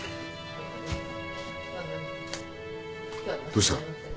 どうした。